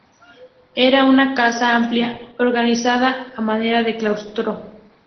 Era una casa amplia, organizada a manera de claustro.